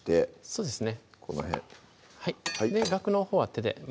そうですね